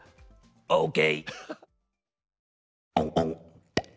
ＯＫ！